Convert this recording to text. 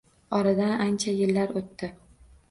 Oradan ancha yillar oʻtdi.